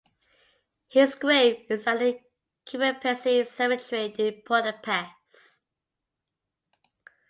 His grave is at the Kerepesi Cemetery in Budapest.